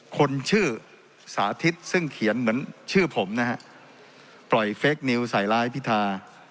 คนชื่อสาธิตซึ่งเขียนเหมือนชื่อผมนะฮะปล่อยเฟคนิวใส่ร้ายพิธา